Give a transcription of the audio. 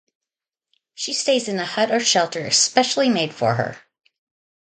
She stays in a hut or shelter specially made for her.